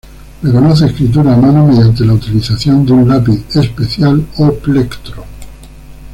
Reconoce escritura a mano mediante la utilización de un lápiz especial o plectro.